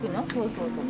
そうそう。